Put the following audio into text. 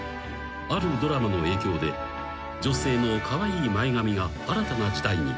［あるドラマの影響で女性のカワイイ前髪が新たな時代に］